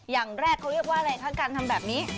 อย่างแรกเขาเรียกว่าอะไรคะการทำแบบนี้